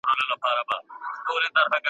ما د زمانې د خُم له رنګه څخه وساته !.